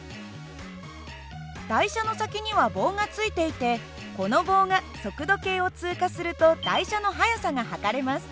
台車の先には棒がついていてこの棒が速度計を通過すると台車の速さが測れます。